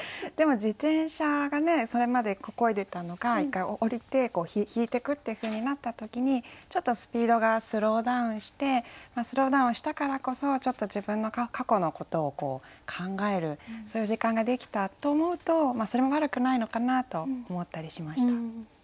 でも自転車がねそれまでこいでたのが１回降りて引いてくっていうふうになった時にちょっとスピードがスローダウンしてスローダウンしたからこそ自分の過去のことを考えるそういう時間ができたと思うとそれも悪くないのかなと思ったりしました。